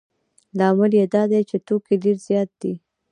لامل یې دا دی چې توکي ډېر زیات دي